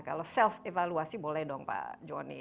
kalau self evaluasi boleh dong pak joni